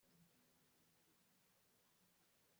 yamugiriye inama yo kugabanya kunywa itabi